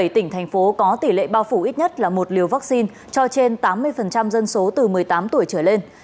bảy mươi tỉnh thành phố có tỷ lệ bao phủ ít nhất là một liều vaccine cho trên tám mươi dân số từ một mươi tám tuổi trở lên